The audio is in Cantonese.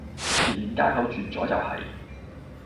前面街口轉左就係